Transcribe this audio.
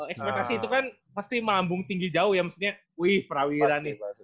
ekspektasi itu kan pasti melambung tinggi jauh ya maksudnya wih prawira nih